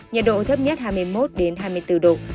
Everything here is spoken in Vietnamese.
nhiệt độ thấp nhất hai mươi một hai mươi bốn độ